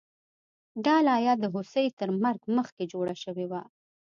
دا لایه د هوسۍ تر مرګ مخکې جوړه شوې وه